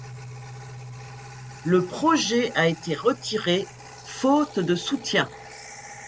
Le projet a été retiré faute de soutien.